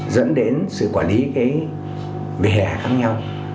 dẫn đến sự quản lý về hệ hạ khác nhau